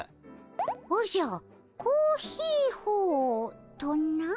おじゃコーヒーホーとな？